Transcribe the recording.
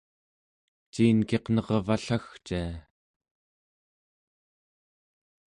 ciin-kiq nervallagcia?